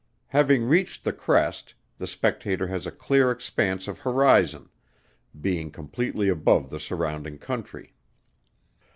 Having reached the crest, the spectator has a clear expanse of horizon, being completely above the surrounding country.